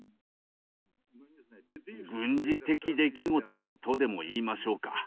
「軍事的出来事」とでも言いましょうか。